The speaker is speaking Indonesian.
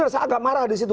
saya agak marah disitu